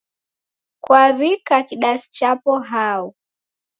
Kwaw'ika kidasi chapo hao?